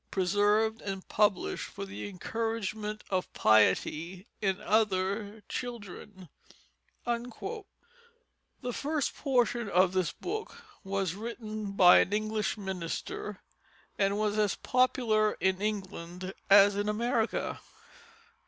Preserved and Published for the Encouragement of Piety in other Children._ The first portion of this book was written by an English minister and was as popular in England as in America.